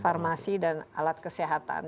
farmasi dan alat kesehatan